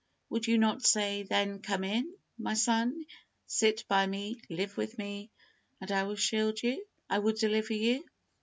Would you not say, "Then, come in, my son; sit by me, live with me, and I will shield you I will deliver you?